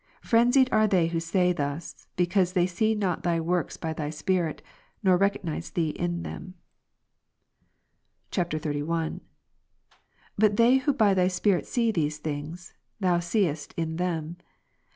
Phrenzied are they who say thus, because they see not Thy works by Thy Spirit, nor recognize Thee in them. [XXXI.] 46. But they who by Thy Spirit see these things. Thou seest in them.